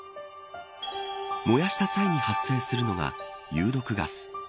燃やした際に発生するのが有毒ガス。